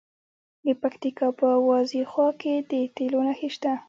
د پکتیکا په وازیخوا کې د تیلو نښې شته.